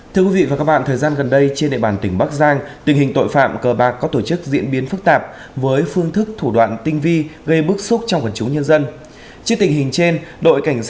thưa quý vị và các bạn thời gian gần đây trên địa bàn tỉnh bắc giang tình hình tội phạm cờ bạc có tổ chức diễn biến phức tạp với phương thức thủ đoạn tinh vi gây bức xúc trong quần chúng nhân dân